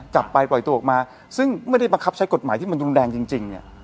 กลับไปปล่อยตัวออกมาซึ่งไม่ได้บังคับใช้กฎหมายที่มันรุนแรงจริงเนี่ย